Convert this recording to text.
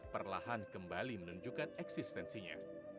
perlahan kembali menunjukkan eksistensinya